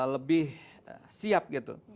lebih siap gitu